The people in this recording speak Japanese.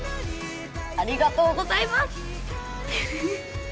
ありがとうございます！